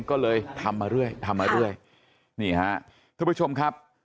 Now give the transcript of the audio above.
ก็เลยทำมาเรื่อยทำมาเรื่อยนี่ฮะทุกผู้ชมครับ